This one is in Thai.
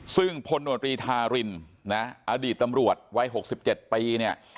ซึ่งพรีธารินอดีตตำรวจวัย๖๗ปี